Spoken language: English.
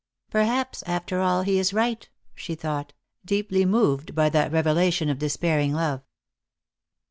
" Perhaps, after all, he is right," she thought, deeply moved by that revelation of despairing love.